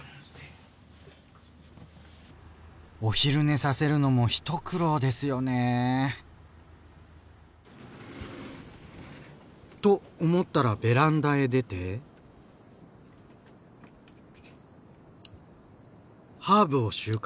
お昼寝させるのも一苦労ですよね？と思ったらベランダへ出てハーブを収穫。